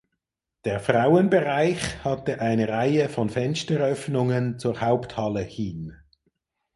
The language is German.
Der Frauenbereich hatte eine Reihe von Fensteröffnungen zur Haupthalle hin.